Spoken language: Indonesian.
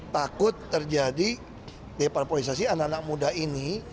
takut terjadi deparpolisasi anak anak muda ini